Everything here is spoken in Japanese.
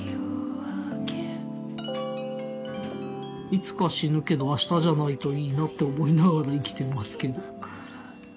いつか死ぬけど明日じゃないといいなって思いながら生きてますけど。